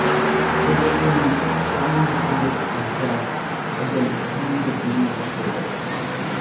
Gershuni strongly defended Azef against claims of being a traitor.